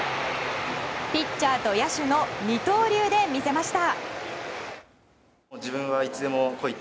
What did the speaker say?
ピッチャーと野手の二刀流で見せました。